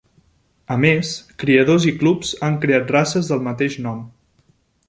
A més, criadors i clubs han creat races del mateix nom.